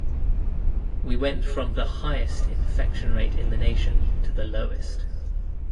We went from the highest infection rate in the nation to the lowest.